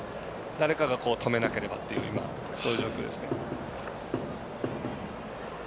誰かが止めなければというそういう状況ですね。